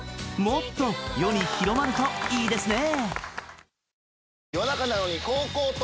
もっと世に広まるといいですね